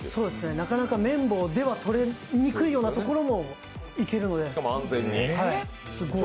なかなか綿棒では取れにくいようなところもいけるのですごい。